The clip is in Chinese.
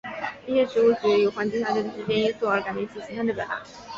一些植物取决于环境条件的时间因素而改变其形态的表达。